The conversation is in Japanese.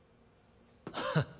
ハッ。